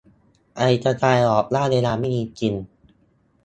ไอน์สไตน์บอกว่าเวลาไม่มีจริง